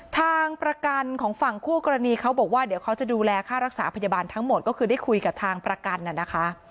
ทางประกันของฝั่งคู่กรณีเขาบอกว่าเดี๋ยวเขาจะดูแลค่ารักษาพยาบาลทั้งหมดก็คือได้คุยกับทางประกันน่ะนะคะ